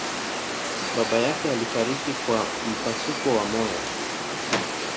baba yake alifariki kwa mpasuko wa moyo